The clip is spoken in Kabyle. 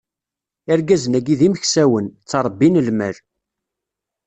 Irgazen-agi d imeksawen, ttṛebbin lmal.